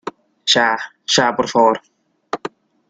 ya. ya, por favor .